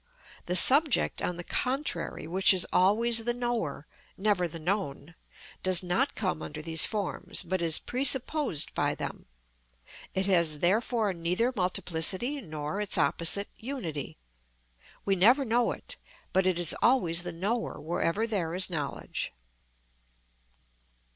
The subject, on the contrary, which is always the knower, never the known, does not come under these forms, but is presupposed by them; it has therefore neither multiplicity nor its opposite unity. We never know it, but it is always the knower wherever there is knowledge.